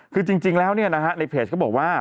คือจริงแล้วในเพจเขาบอกว่า